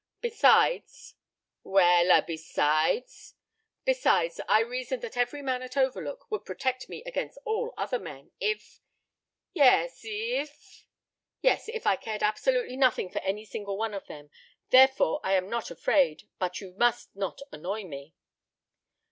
Besides " "Well a, besides " "Besides, I reasoned that every man at Overlook would protect me against all the other men if " "Yes, eef " "Yes, if I cared absolutely nothing for any single one of them. Therefore, I am not afraid. But you must not annoy me."